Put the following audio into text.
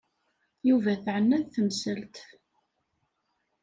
Yuba teɛna-t temsalt.